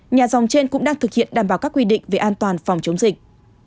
nhà dòng trên cũng đang thực hiện đảm bảo các quy định về an toàn phòng chống dịch